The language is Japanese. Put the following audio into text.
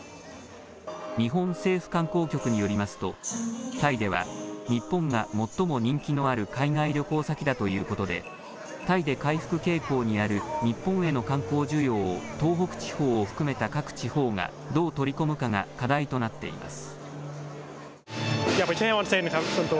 日本政府観光局によりますとタイでは日本が最も人気のある海外旅行先だということでタイで回復傾向にある日本への観光需要を東北地方を含めた各地方がどう取り込むかが課題となっています。